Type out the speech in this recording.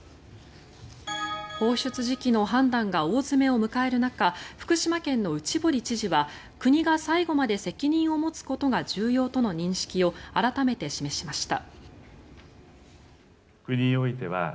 放出時期の判断が大詰めを迎える中福島県の内堀知事は国が最後まで責任を持つことが重要との認識を改めて示しました。